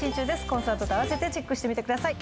コンサートと合わせてチェックしてみてください。